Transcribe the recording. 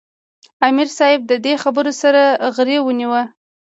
" امیر صېب د دې خبرو سره غرېو ونیوۀ ـ